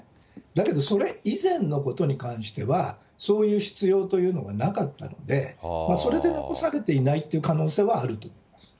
だけどそれ以前のことに関しては、そういう必要というのがなかったんで、それで残されていないっていう可能性はあると思います。